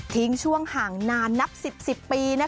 ช่วงห่างนานนับ๑๐๑๐ปี